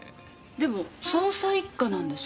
でも捜査一課なんでしょ？